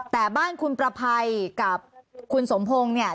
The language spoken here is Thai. แต่บ้านคุณประภัยกับคุณสมพงศ์เนี่ย